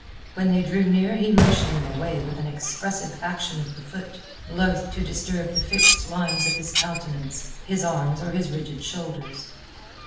When they drew near he motioned them away with an expressive action of the foot, loath to disturb the fixed lines of his countenance, his arms, or his rigid shoulders.